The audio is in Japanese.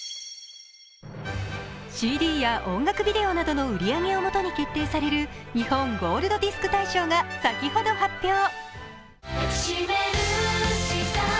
ＣＤや音楽ビデオなどの売り上げをもとに決定される日本音楽大賞が先ほど発表。